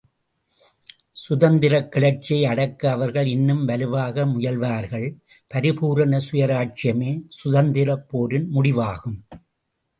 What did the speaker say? சுதந்திரக் கிளர்ச்சியை அடக்க அவர்கள் இன்னும் வலுவாக முயல்வார்கள்... பரிபூர்ண சுயராஜ்யமே சுதந்திரப் போரின் முடிவாகும்.